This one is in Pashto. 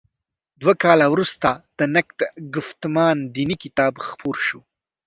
دوه کاله وروسته د «نقد ګفتمان دیني» کتاب خپور شو.